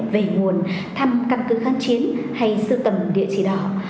về nguồn thăm căn cứ kháng chiến hay sưu tầm địa chỉ đỏ